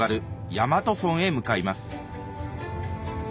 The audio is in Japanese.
大和村へ向かいます